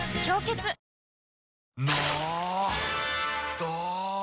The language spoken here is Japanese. ど！